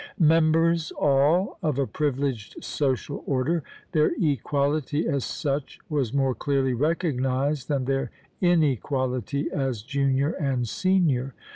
Members, all, of a privileged social order, their equality as such was more clearly recognized than their inequality as junior and senior.